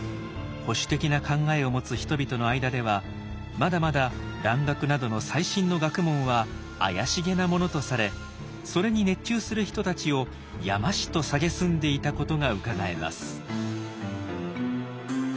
保守的な考えを持つ人々の間ではまだまだ蘭学などの最新の学問は怪しげなものとされそれに熱中する人たちを「山師」とさげすんでいたことがうかがえます。